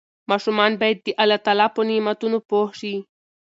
ماشومان باید د الله تعالی په نعمتونو پوه شي.